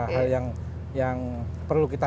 hal yang perlu kita